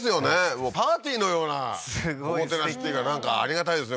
もうパーティーのようなおもてなしっていうかなんかありがたいですね